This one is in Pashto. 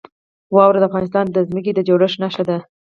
واوره د افغانستان د ځمکې د جوړښت نښه ده.